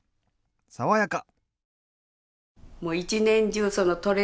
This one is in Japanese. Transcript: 爽やか！